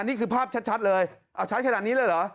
นี่คือภาพชัดเลยใช้ขนาดนี้เลยเหรอ